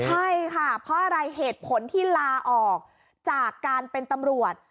ใช่ค่ะเพราะอะไรเหตุผลที่ลาออกจากการเป็นตำรวจ